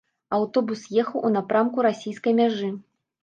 Аўтобус ехаў у напрамку расійскай мяжы.